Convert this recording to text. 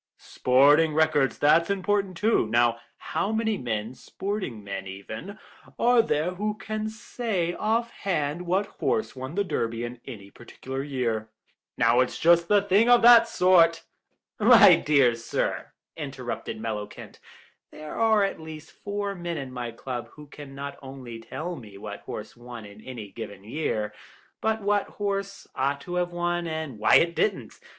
"Sporting records, that's important, too; now how many men, sporting men even, are there who can say off hand what horse won the Derby in any particular year? Now it's just a little thing of that sort—" "My dear sir," interrupted Mellowkent, "there are at least four men in my club who can not only tell me what horse won in any given year, but what horse ought to have won and why it didn't.